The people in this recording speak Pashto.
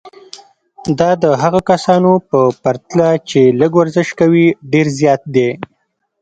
دا د هغو کسانو په پرتله چې لږ ورزش کوي ډېر زیات دی.